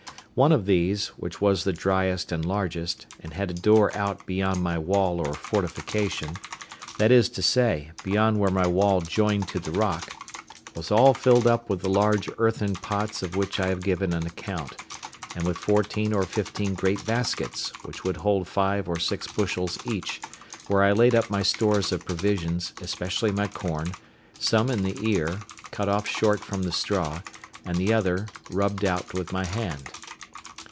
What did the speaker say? One of these, which was the driest and largest, and had a door out beyond my wall or fortification—that is to say, beyond where my wall joined to the rock—was all filled up with the large earthen pots of which I have given an account, and with fourteen or fifteen great baskets, which would hold five or six bushels each, where I laid up my stores of provisions, especially my corn, some in the ear, cut off short from the straw, and the other rubbed out with my hand.